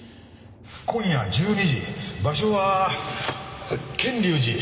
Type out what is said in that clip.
今夜１２時場所は賢隆寺。